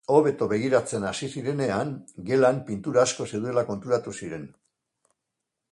Hobeto begiratzen hasi zirenean, gelan pintura asko zeudela konturatu ziren.